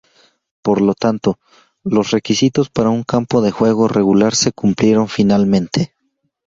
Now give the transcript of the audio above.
Por lo tanto, los requisitos para un campo de juego regular se cumplieron finalmente.